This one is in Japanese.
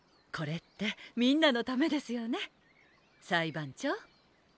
これってみんなのためですよね裁判長。